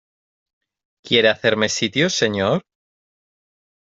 ¿ quiere hacerme sitio, señor?